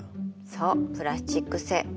そうプラスチック製。